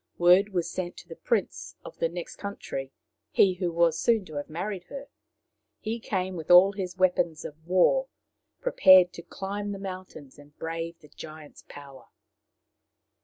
Word was sent to the prince of the next country, he who was soon to have married her. He came with all his weapons of war, prepared to climb the mountains and brave the giant's power.